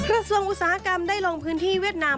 อุตสาหกรรมได้ลงพื้นที่เวียดนาม